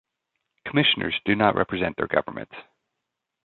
Commissioners do not represent their governments.